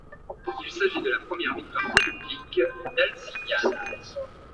Il s'agit de la première victoire politique d'Alcibiade.